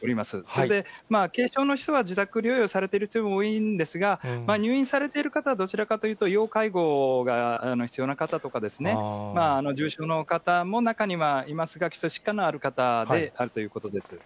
それで軽症の人は自宅療養されている人が多いんですが、入院されている方は、どちらかというと、要介護が必要な方とか、重症の方も中にはいますが、基礎疾患のある方であるということです。